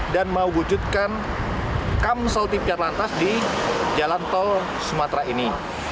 dan mewujudkan kamsel tipiarlantas di jalan tol sumatera ini